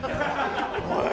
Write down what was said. おい！